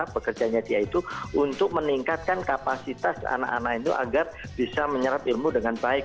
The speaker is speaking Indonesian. pekerjanya dia itu untuk meningkatkan kapasitas anak anak itu agar bisa menyerap ilmu dengan baik